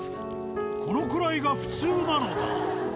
このくらいが普通なのだ。